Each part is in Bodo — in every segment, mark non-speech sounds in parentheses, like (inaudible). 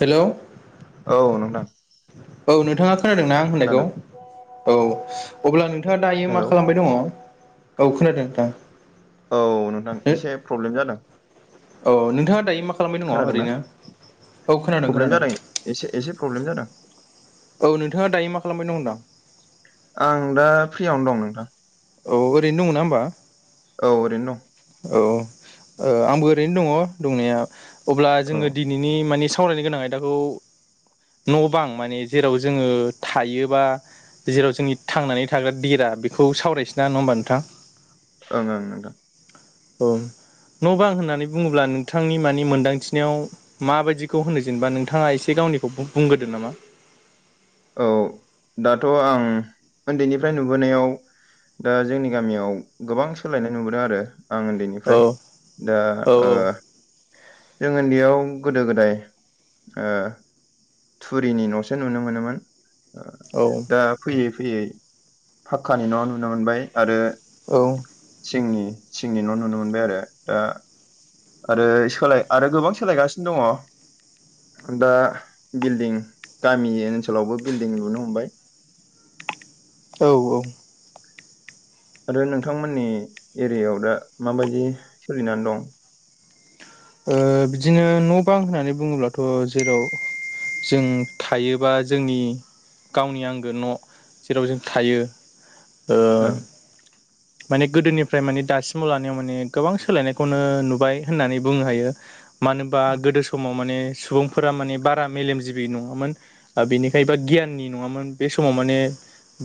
हेल' औ औ नोंथां नोंथाङा खोनादोंना आं होननायखौ खोनादों औ अब्ला नोंथाङा दायो मा हेलौ खालामबाय दङ? औ खोनादों नोंथां? औ नोंथां एसे प्रब्लेम जादों। औ नोंथाङा दायो मा खालामबाय दङ खोनादोंना ओरैनो? औ खोनादों प्रब्लेम खोनादों जादों एसे एसे प्रब्लेम जादों। औ नोंथाङा दायो मा खालामबाय दं होनदां? आं दा फ्रियावनो दं नोंथां। औ ओरैनो दंङ ना होमबा? औ ओरैनो दं। औ आंबो ओरैनो दङ दंनाया अब्ला औ जोङो दिनैनि माने सावरायनो गोनां आयदाखौ न' बां माने जेराव जोङो थायोबा। जेराव जोंनि थांनानै थाग्रा देरा बेखौ सावरायसै ना नङा होमबा नोंथां? ओं ओं नोंथां। औ न'बां होननानै बुङोब्ला नोंथांनि मानि मोनदांथिनायाव माबायदिखौ होनो जेनेबा नोंथाङा एसे गाव निखौ बुंग्रोदो नामा? औ दाथ' आं उन्दैनिफ्राय नुबोनायाव दा जोंनि गामियाव गोबां सोलायनाय नुबोदों आरो। आं उन्दैनिफ्राय औ दा औ जों उन्दैयाव गोदो गोदाय थुरिनि न'सो नुनो मोनोमोन। औ दा फैयै फैयै फाक्कानि न' नुनो मोनबाय आरो। औ थिंनि थिंनि न' नुनो मोनबाय आरो दा आरो सोलाय आरो गोबां सोलायगासिनो दङ। दा बिल्डिं गामि ओनसोलावबो बिल्डिं लुनो हमबाय। औ औ। आरो नोंथांमोननि एरियायाव दा माबायदि सोलिनानै दं? बिदिनो न' बां होननानै बुङोब्लाथ' जेराव जों थायोबा जोंनि गावनि आंगो न' जेराव जों थायो। ओं माने गोदोनिफ्राय माने दासिमाव लानायाव माने गोबां सोलायनायखौनो नुबाय होननानै बुंनो हायो। मानोबा गोदो समाव माने सुबुंफोरा माने बारा मेलेमजिबि नङामोन बेनिखाय। बा गियाननि नङामोन बे समाव माने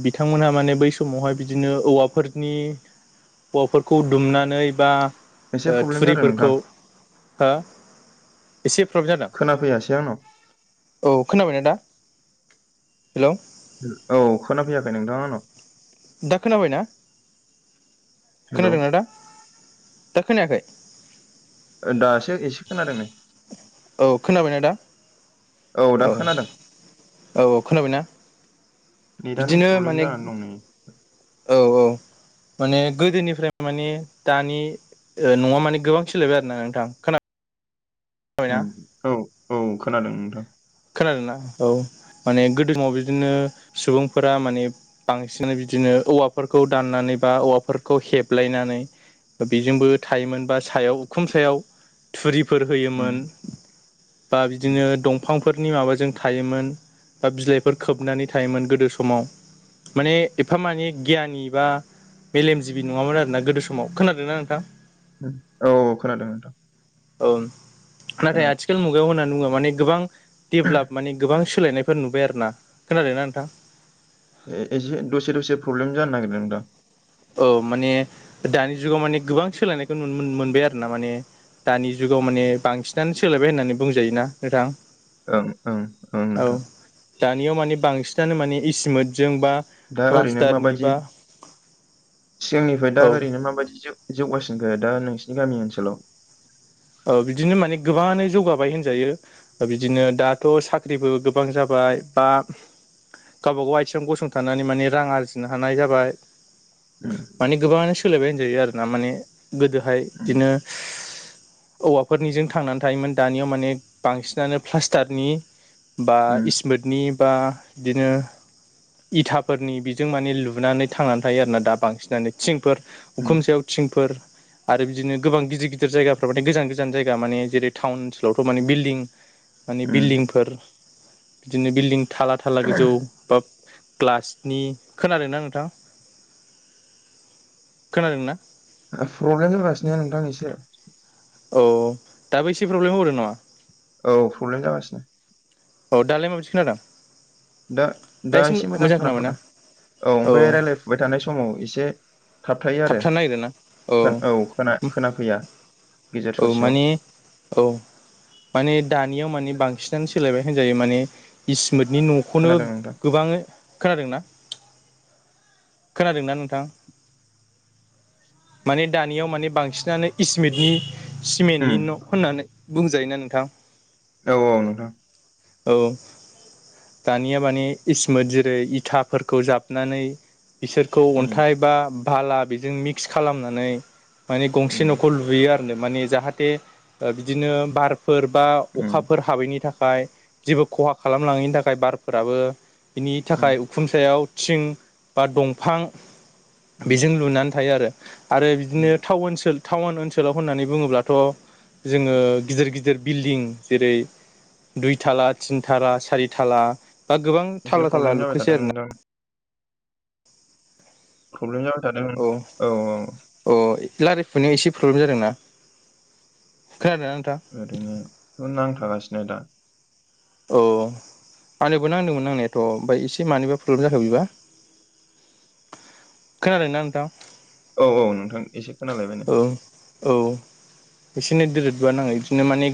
बिथांमोनहा माने बै समावहाय बिदिनो औवाफोर नि औवाफोरखौ दुमनानै बा एसे प्रब्लेम जादों नोंथां थुरिफोरखौ हो एसे प्रब्लेम जादों खोनाफैयाासै आंनाव। औ खोनाबायना दा? हेलौ। औ खोनाफैयाखै नोंथां आंनाव। दा खोनाबाय ना हेलौ खोनादोंना दा? दा खोनायाखै? दासो एसे खोनादों नै। औ खोनाबायना दा दा औ खोनादों औ औ खोनाबायना? नेटआनो बिदिनो प्रब्लेम माने जानानै दं नै औ औ माने गोदोनिफ्राय माने दानि नङा माने गोबां सोलायबाय आरो ना नोंथां खोना औ औ खोनादों नोंथां। खोनादोंना औ माने गोदोआव बिदिनो सुबुंफोरा माने बांसिनानो बिदिनो औवाफोरखौ दाननानै बा औवाफोरखौ हेबलायनानै। बेजोंबो थायोमोन बा सायाव उखुम सायाव थुरि फोर उम होयोमोन बा बिदिनो दंफां फोरनि माबाजों थायोमोन बा बिलाइफोर खोबनानै थायोमोन गोदो समाव। माने एफा माने गियानि बा मेलेमजिबि नङामोन आरो ना गोदो समाव खोनादों ना नोंथां औ औ खोनादों नोंथां औ नाथाय खोनाबाय आथिखाल मुगायाव होनना बुङा माने गोबां देबोलाप माने गोबां सोलायनायफोर नुबाय आरो ना खोनादों ना नोंथां ए एसे दसे दसे प्रब्लेम जानो नागिरदों दा औ माने दानि जुगाव माने गोबां सोलायनायखौ नुनो मोनबाय आरो ना माने दानि जुगाव माने बांसिनानो सोलायबाय होननानै बुंजायोना नोंथां ओं ओं ओं औ नोंथां दानियाव माने बांसिनानो माने इसिमोतजों बा दा ओरैनो प्लास्टारनि माबायदि बा सिगांनिफ्राय दा औ ओरैनो माबायदि जौगासिनखो दा नोंसिनि गामि ओनसोलाव औ बिदिनो माने गोबाङानो जौगाबाय होनजायो बिदिनो दाथ' साख्रिबो गोबां जाबाय बाय बा गावबा गाव आथिङं गसंथानानै माने रां आरजिनो हानाय जाबाय उम माने गोबाङानो सोलायबाय होनजायो आरो ना माने गोदोहाय उम बिदिनो औवाफोरनिजों थांनानै थायोमोन दानियाव माने बांसिनानो प्लास्टारनि बा उम इसमोरतनि बा बिदिनो इथाफोरनि बेजों माने लुनानै थांनानै थायो आरोना दा बांसिनानो थिंफोर उम उखुमसायाव थिंफोर आरो बिदिनो गोबां गिदिर गिदिर जायगाफोर गोजान गोजान जायगा माने जेरै टाउन ओनसोलावथ' माने बिल्डिं माने उम बिल्डिंफोर बिदिनो बिल्डिं थाला थाला गोजौ बा ग्लासनि खोनादोंना नोंथां खोनादों ना प्रब्लेम जागासिनो नोंथां एसे औ दाबो एसे प्रब्लेम होबावदों नामा औ प्रब्लेम जागासिनो औ दालाय माबादि खोनादों दा दा एसे मोजां खोनाथ'दोंं औ औ ओमफ्राय रायज्लायफुबाय थानाय समाव एसे थाबथायो आरो थाबथानो नागिरो ना औ औ खोनाफैया गेजेर औ ससेयाव माने औ माने दानियाव मानि बांसिन सोलायबाय होनजायो माने बिस इसमोथनि न'खौनो खोनादों नोंथां गोबां खोनादोंना खोनादोंना नोंथां माने दानियाव माने बांसिनानो इसमिटनि सिमेन्टनि उम न' होननानै बुंजायोना नोंथां औ औ नोंथां औ दानिया मानि इसमोत जेरै इथाफोरखौ जाबनानै बिसोरखौ उम अन्थाइ बा बाला बेजों मिक्स खालामनानै माने गंसे उम न'खौ लुयो आरो माने जाहाथे बिदिनो बार फोर बा उम अखाफोर हाबैनि थाखाय जेबो खहा खालामलाङैनि थाखाय बारफोराबो बिनि उम थाखाय उखुमसायाव थिं बा दंफां बेजों लुनानै थायो आरो आरो उम बिदिनो टाव ओनसोल टाउन ओनसोलाव होननानै बुङोब्लाथ' जोङो गिदिर गिदिर बिल्डिं जेरै दुइ थाला तिन थाला सारि थाला बा गोबां एसे थाल्ला थाल्ला प्रब्लेम जाबाय थादों लुखोसै आरोना नोंथां प्रब्लेम जाबाय थादों औ औ लारि फुनायाव एसे प्रब्लेम जादोंना खोनादोंना नोंथां ओरैनो नांथागासिनो दा औ आनोबो नांदोंमोन नांनायाथ' ओमफ्राय एसे मानिबा प्रब्लेम जादों बेबा खोनादों ना नोंथां औ औ नोंथां एसे खोनालायबाय नै औ औ बिसेनो दोरोदबा नाङो बिदिनो माने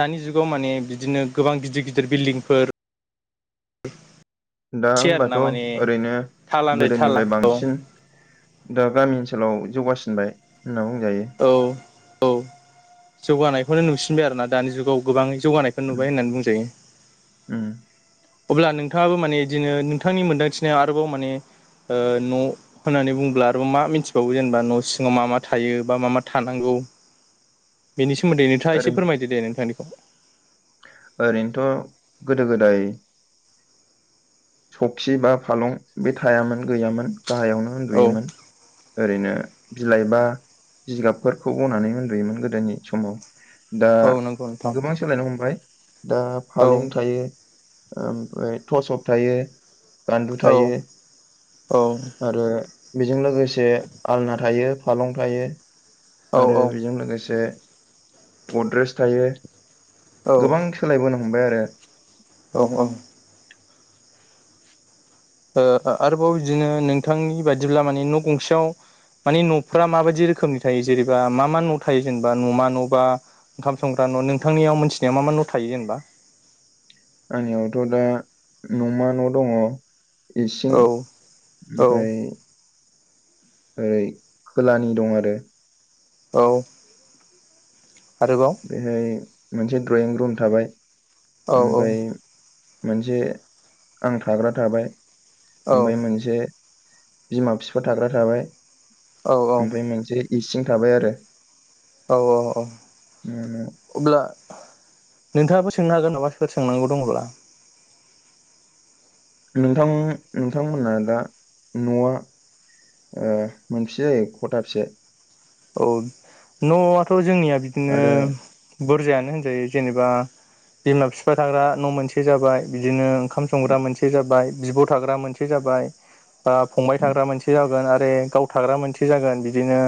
दानि जुगाव माने बिदिनो गोबां गिदिर गिदिर बिल्डिं फोर दा सै होमबाथ' आरोना माने ओरैनो थालानिफ्राय थाला गोदोनिफ्राय औ बांसिन दा गामि ओनसोलाव जौगासिनबाय होनना बुंजायो औ औ जौगानायखौनो नुसिनबाय आरो ना दानि जुगाव गोबाङै जौगानायखौ उम नुबाय होननानै बुंजायो उम। अब्ला नोंथाङाबो माने इदिनो नोंथांनि मोनदांथिनायाव आरोबाव माने ओ न' होननानै बुङोब्ला आरोबाव मा मिथिबावो जेनेबा न' सिङाव मा मा थायो बा मा मा थानांगौ बेनि सोमोन्दै नोंथाङा ओरै एसे फोरमायदो दे नोंथांनिखौ ओरैनोथ' गोदो गोदाय सखि बा फालं बे थायामोन गैयामोन गाहायावनो औ उन्दुयोमोन। ओरैनो बिलाइ बा जिगाबफोरखौ बनानै उन्दुयोमोन गोदोनि समाव दा औ नंगौ नोंथां गोबां सोलायनो हमबाय दा औ फालें थायो, टसप थायो गान्दु औ थायो औ आरो बेजों लोगोसे आलना थायो फालं थायो औ आरो बेजों लोगोसे गद्रेेज थायो गोबां औ सोलायबोनो हमबाय आरो औ औ ओ आरोबाव बिदिनो नोंथांनि बादिब्ला माने न' गंसेयाव माने न'फोरा माबायदि रोखोमनि थायो जेनेबा मा मा न' थायो जेनेबा न'मा न' बा ओंखाम संग्रा न' नोंथांनियाव मिथिनायाव मा मा न' थायो जेनेबा? आंनियावथ' दा न'मा न' दङ इसिं औ औ ओमफ्राय ओरै खोलानि दं आरो औ आरोबाव बेहाय मोनसे द्रयिं रुम थाबाय औ औ ओमफ्राय मोनसे आं थाग्रा थाबाय ओमफ्राय मोनसे बिमा बिफा थाग्रा थाबाय औ ओमफ्राय मोनसे इसिं थाबाय आरो औ औ औ ओम अब्ला नोंथाङाबो सोंनो हागोन माबाफोर सोंनांगौ दंब्ला नोंथां नोंथांमोना दा न'आ ओ मोनबैसे जायो खथा बैसे औ न'आथ' जोंनिया बिदिनो आरो बुरजायानो होनजायो जेनेबा बिमा बिफा थाग्रा न' मोनसे जाबाय बिदिनो ओंखाम संग्रा मोनसे जाबाय बिब' थाग्रा मोनसे जाबाय बाय ओ फंबाय थाग्रा मोनसे जागोन आरो गाव थाग्रा मोनसे जागोन बिदिनो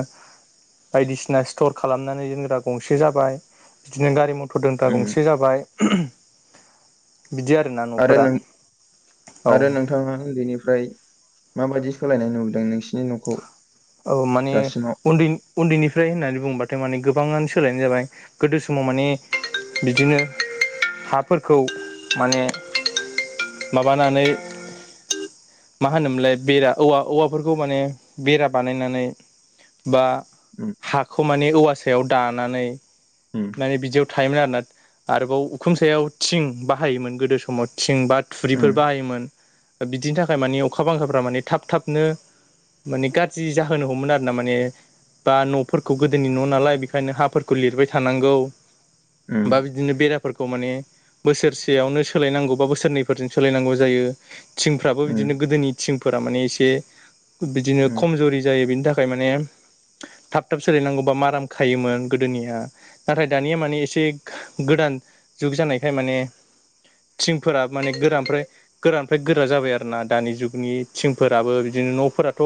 बायदिसिना स्थर खालामनानै दोनग्रा गंसे जाबाय बिदिनो गारि मथ र दोनग्रा उम गंसे जाबाय बिदि आरोना आरो न'फोरा नो औ आरो नोंथाङा उन्दैनिफ्राय मफ्राय माबायदि सोलायनाय नुबोदों नोंसिनि न'खौ औ माने दासिमाव उन्दै उन्दैनिफ्राय होननानै बुंबा माने गोबाङानो सोलायनाय जाबाय गोदो समाव माने बिदिनो हाफोरखौ माने माबानानै मा होनोमोनलाय बेरा औवा औवाफोरखौ माने बेरा बानायनानै बा उम हाखौ माने औवा सायाव दानानै उम माने बिदियाव थायोमोन आरोना आरोबाव उखुम सायाव थिं बाहायोमोन गोदो समाव थिं बा उम थुरिफोर बाहायोमोन बिदिनि थाखाय मानिे अखा बांखाफ्रा माने थाब थाबनो माने गा जि जाहोनो हमोमोन आरो ना माने बा न'फोरखौ गोदोनि न' नालाय बेखायनो हाफोरखौ लिरबाय थानांगौ उम बा बिदिनो बेराफोरखौ माने बोसोरसेयावनो सोलायनांगौ बा बोसोरनैफोरजों सोलायनांगौ जायो थिंफ्राबो उम बिदिनो गोदोनि थिंफोर रा माने एसे बिदिनो उम खमजुरि जायो बिनि थाखाय माने थाब थाब सोलायनांगौबा माराम खायोमोन गोदोनिया नाथाय दानिया माने एसे गोदान जुग जानायखाय माने। थिंफोराबो माने गोरानफ्राय गोरानिफ्राय गोरा जाबाय आरो ना दानि जुगनि थिंफोराबो बिदिनो। बिदिनो न'फोराथ'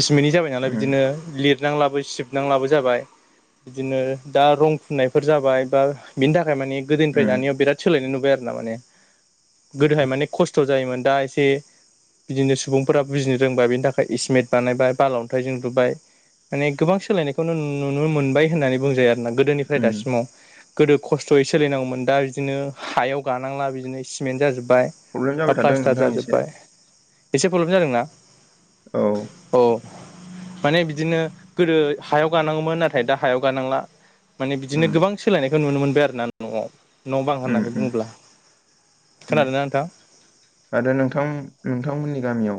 इसमिनि जाबाय नालाय उम बिदिनो लिरनां लाबो सिबनांलाबो जाबाय। बिदिनो दा रं फुननायफोर जाबाय बा बिनि थाखाय माने गोदोनिफ्राय उम दानिआव बिराद सोलायनाय नुबाय। बाय आरो ना माने गोदोहाय माने खस्थ' जायोमोन दा एसे। बिदिनो सुबुंफोरा बुजिनो रोंबा बेनि थाखाय इसमेट। बानायबाय बाला अन्थाइजों लुबाय माने गोबां सोलायनायखौ नुनो मोनबाय होननानै बुंजायो आरो। गोदोनिफ्राय उम दासिमाव। गोदो खस्थ'यै सोलिनांगौमोन दा बिदिनो हायाव गानांला बिदिनो सिमेन्ट जाजोबबाय। प्रब्लेम जाबाय थादों प्लास्टार नोंथां एसे जाजोबबाय एसे प्रब्लेम जादोंना। औ। औ माने बिदिनो गोदो हायाव गानांगौमोन नाथाय दा हायाव गानांला। माने बिदिनो उम गोबां सोलायनायखौ नुनो मोनबाय आरोना न'आव न' बां होननानै बुङोब्ला। ओम खोनादोंना नोंथां आरो नोंथां नोंथांमोननि गामियाव।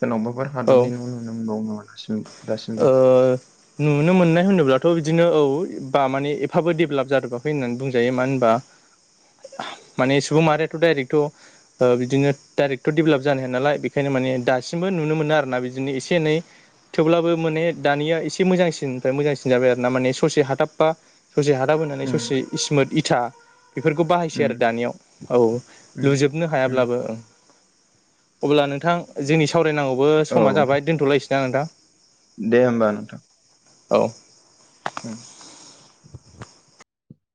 सोरनावबाफोर औ हादाबनि न' नुनो मोनबावो नोंसिनिआव। ओ नुनो मोननाय होनोब्लाथ'। दिनो औ बा माने एफाबो देभेलप जाजोबाखै होननानै बुंजायो मानो होनबा। माने सुबुं मारिथ' दडाइरेक्टथ ओ बिदिनो दाइरेक्ट' डेभेलप जानो हाया नालाय बेखायनो मान। माने दासिमबो नुनो मोनो आरोना बिदिनो एसे एनै थेवब्लाबो। माने दानिया एसे मोजांसिननिफ्राय मोजांसिन जाबाय आरो ना माने ससे हाथाबबा। ससे हादाब होनानै उम ससे इसिमित इथा बेफोरखौ बाहायसै आरो उम दानियाव औ। उम लुजोबनो उम हायाब्लाबो ओं अब्ला नोंथां जोंनि साव। फरायनांगौबो औ समा जाबाय दोनथ'लायनोसै नोंथां। दे होमबा नोंथां। औ। (unintelligible)